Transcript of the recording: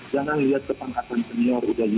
jangan lihat ke pangkat senior